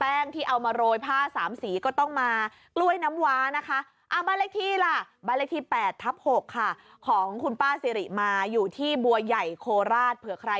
แป้งที่เอามาโรยผ้าสามสีก็ต้องมากล้วยน้ำวานะคะ